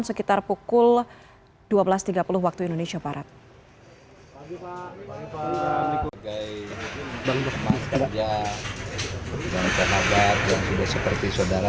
sekitar pukul dua belas tiga puluh waktu indonesia barat